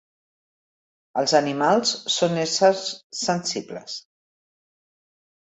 Els animals són éssers sensibles.